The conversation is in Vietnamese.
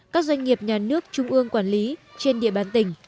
các doanh nghiệp nhà nước trung ương quản lý trên địa bàn tỉnh